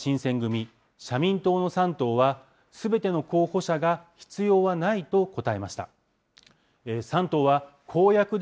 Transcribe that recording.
これに対し共産党、れいわ新選組、社民党の３党は、すべての候補者が必要はないと答えました。